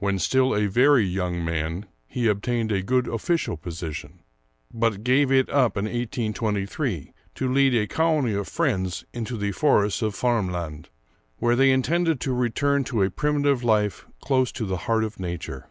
When still a very young man he obtained a good official position, but gave it up in 1823 to lead a colony of friends into the forests of Värmland, where they intended to return to a primitive life close to the heart of nature.